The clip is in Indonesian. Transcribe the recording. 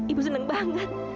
ibu senang banget